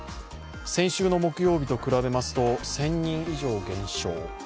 先週の木曜日と比べますと１０００人以上減少。